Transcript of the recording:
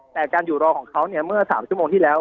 แต่การอยู่รอของเขาเนี่ยเมื่อ๓ชั่วโมงที่แล้ว